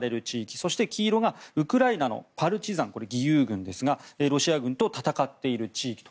そして黄色がウクライナのパルチザン義勇軍ですがロシア軍と戦っている地域と。